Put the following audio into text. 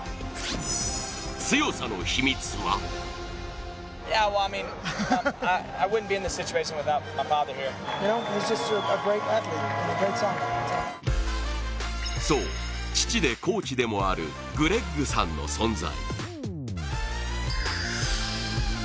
強さの秘密はそう、父でコーチでもあるグレッグさんの存在。